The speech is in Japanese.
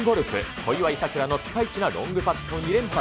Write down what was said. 小祝さくらのピカイチなロングパットを２連発。